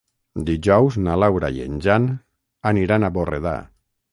Dijous na Laura i en Jan aniran a Borredà.